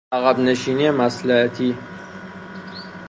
عقب نشینی مصلحتی